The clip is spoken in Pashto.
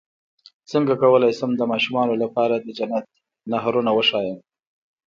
څنګه کولی شم د ماشومانو لپاره د جنت نهرونه وښایم